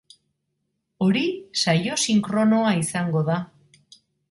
Hori saio sinkronoa izango da.